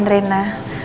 untuk masuk ke sekolah